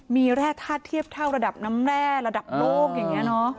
มีแร่ธาตุเทียบเท่าระดับน้ำแร่ระดับโลกอย่างนี้เนอะ